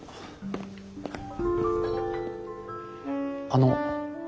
あの。